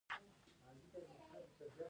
هغه په همدې کلا کې اعدام شو.